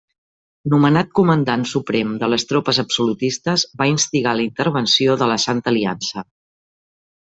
Nomenat comandant suprem de les tropes absolutistes, va instigar la intervenció de la Santa Aliança.